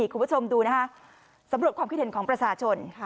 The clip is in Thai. คุณผู้ชมดูนะคะสำรวจความคิดเห็นของประชาชน